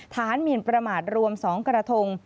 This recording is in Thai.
ฐานเหมียนประมาทรวม๒กระทง